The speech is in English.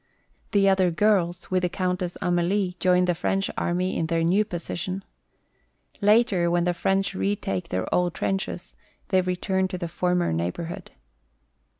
The other girls, with the Countess Amélie, join the French army in their new position. Later, when the French retake their old trenches, they return to the former neighborhood.